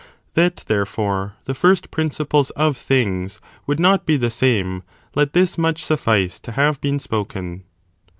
That, therefore, the first principles of things would not be the same, let this much suffice to have been spoken.